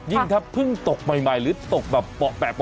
เรื่องถ้าพึ่งตกใหม่หรือตกแบบเปล่าแปรก